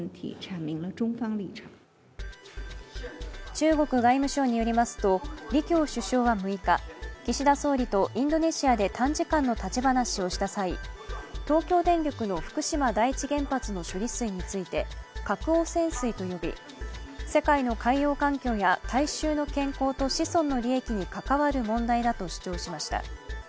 中国外務省によりますと、李強首相は６日、岸田総理とインドネシアで短時間の立ち話をした際、東京電力の福島第一原発の処理水について核汚染水と呼び、世界の海洋環境や大衆の健康と子孫の利益に関わる問題だと主張しました。